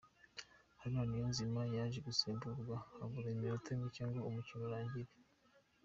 Haruna Niyonzima yaje gusimburwa habura iminota mike ngo umukino urangire.